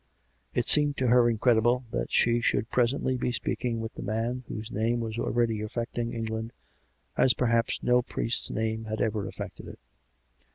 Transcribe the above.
It seemed to her incredible that she should presently be speaking with the man, whose name was already affecting England as perhaps* no priest's name had ever affected it.